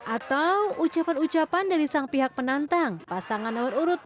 atau ucapan ucapan dari sang pihak penantang pasangan nomor urut dua